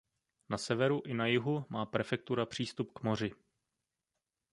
Na severu i na jihu má prefektura přístup k moři.